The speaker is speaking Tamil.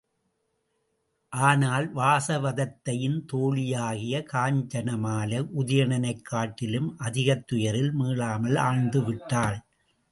ஆனால் வாசவதத்தையின் தோழியாகிய காஞ்சனமாலை உதயணனைக் காட்டிலும் அதிகத் துயரில் மீளாமல் ஆழ்ந்து விட்டாள்.